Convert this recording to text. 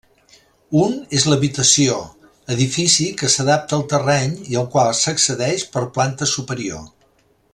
Un és l'habitació, edifici que s'adapta al terreny i al qual s'accedeix per planta superior.